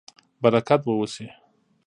برکت به وشي